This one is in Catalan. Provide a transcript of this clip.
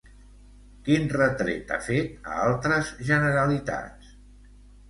Quin retret ha fet a altres generalitats?